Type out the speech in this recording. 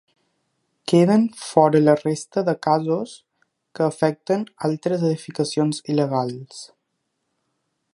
Queden fora la resta de casos que afecten altres edificacions il·legals.